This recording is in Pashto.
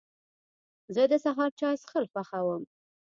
زه د سهار د چای څښل خوښوم.